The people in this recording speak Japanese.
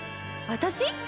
私？